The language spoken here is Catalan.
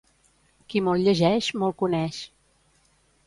Qui molt llegeix, molt coneix.